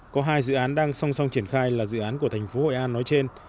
có hai dự án đang song song triển khai là dự án của thành phố hội an nói trên